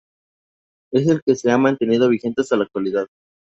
Es el que se ha mantenido vigente hasta la actualidad.